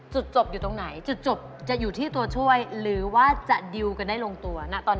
จุดจบอยู่ตรงไหนจุดจบจะอยู่ที่ตัวช่วยหรือว่าจะดิวกันได้ลงตัวณตอนนี้